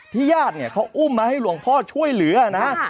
ญาติเนี่ยเขาอุ้มมาให้หลวงพ่อช่วยเหลือนะ